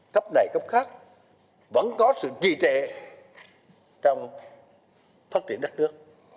cấp này cấp khác vẫn có sự trì trệ trong phát triển đất nước